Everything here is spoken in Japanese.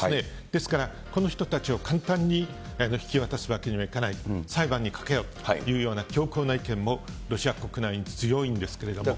ですから、この人たちを簡単に引き渡すわけにはいかない、裁判にかけろというような強硬な意見も、ロシア国内に強いんですけれども。